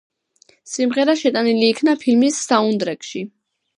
სიმღერა შეტანილი იქნა ფილმის საუნდტრეკში.